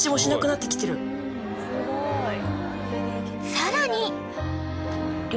［さらに］